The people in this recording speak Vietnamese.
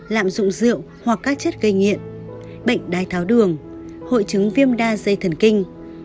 lạm dụng rượu hoặc các chất gây nghiện bệnh đai tháo đường hội chứng viêm da dây thần kinh